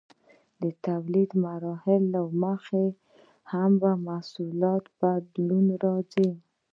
د تولید د مرحلې له مخې هم په محصولاتو کې بدلونونه راځي.